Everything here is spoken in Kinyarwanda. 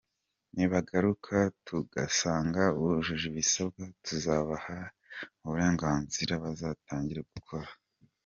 Nibagaruka tugasanga bujuje ibisabwa, tuzabaha uburenganzira batangire gukora.”